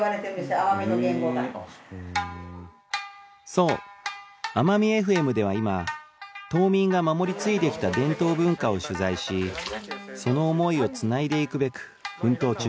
そうあまみエフエムでは今島民が守り継いできた伝統文化を取材しその思いをつないでいくべく奮闘中